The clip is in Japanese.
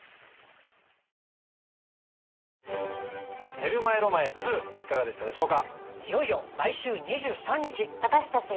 『テルマエ・ロマエⅡ』いかがでしたでしょうか。